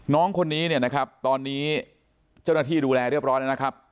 น้องคนนี้เนี่ยนะครับตอนนี้เจ้าหน้าที่ดูแลเรียบร้อยแล้วนะครับ